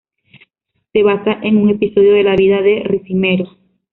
Se basa en un episodio de la vida de Ricimero.